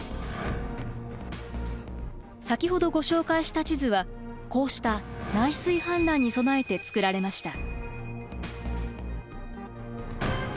先ほどご紹介した地図はこうした内水氾濫に備えて作られました。